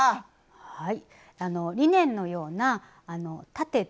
はい。